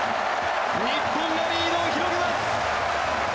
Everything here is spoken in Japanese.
日本がリードを広げます。